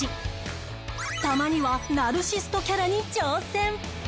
たまにわナルシストキャラに挑戦